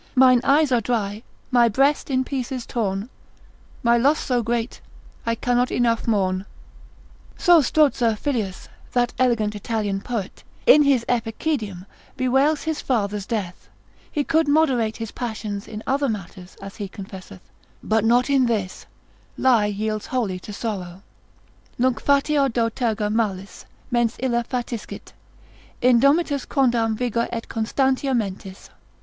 Mine eyes are dry, my breast in pieces torn, My loss so great, I cannot enough mourn. So Stroza Filius, that elegant Italian poet, in his Epicedium, bewails his father's death, he could moderate his passions in other matters, (as he confesseth) but not in this, lie yields wholly to sorrow, Nunc fateor do terga malis, mens illa fatiscit, Indomitus quondam vigor et constantia mentis.